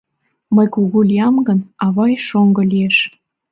— Мый кугу лиям гын, авай шоҥго лиеш...